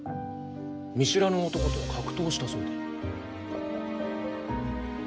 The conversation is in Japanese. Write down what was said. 見知らぬ男と格闘したそうで。